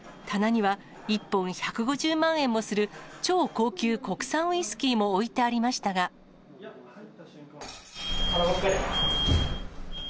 棚には１本１５０万円もする超高級国産ウイスキーも置いてありま空箱や。